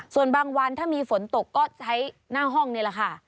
ส่วนบางวันถ้ามีฝนตกก็ใช้หน้าห้องนี่แหละค่ะ